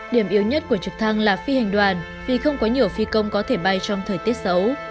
điểm yếu nhất của trực thăng là phi hành đoàn vì không có nhiều phi công có thể bay trong thời tiết xấu